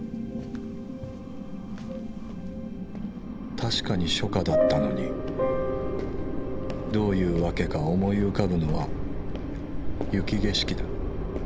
確かに初夏だったのにどういうわけか思い浮かぶのは雪景色だ。